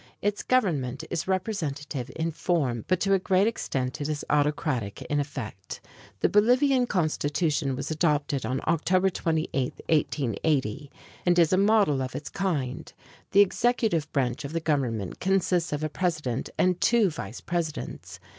Its government is representative in form, but to a great extent it is autocratic in effect. The Bolivian constitution was adopted on October 28, 1880, and is a model of its kind. The executive branch of the government consists of a president and two vice presidents.